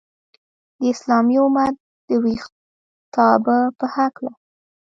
د اسلامي امت د ویښتابه په هیله!